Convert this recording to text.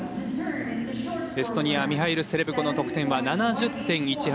エストニアミハイル・セレブコの得点は７０．１８。